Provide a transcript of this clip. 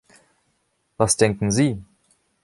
Was denken Sie?